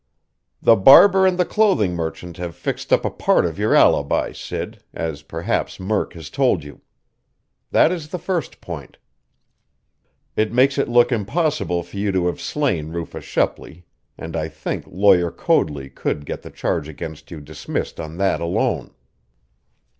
"The barber and the clothing merchant have fixed up a part of your alibi, Sid, as perhaps Murk has told you. That is the first point. It makes it look impossible for you to have slain Rufus Shepley, and I think Lawyer Coadley could get the charge against you dismissed on that alone."